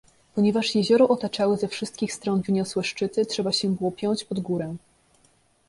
Ponieważ jezioro otaczały ze wszystkich stron wyniosłe szczyty, trzeba się było piąć pod górę.